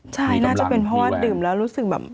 ใช่น่าจะเป็นเพราะว่าดื่มแล้วรู้สึกแบบ